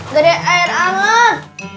dari air anget